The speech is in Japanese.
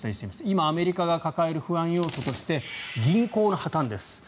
今、アメリカが抱える不安要素として銀行の破たんです。